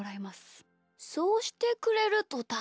そうしてくれるとたすかる。